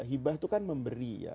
hibah itu kan memberi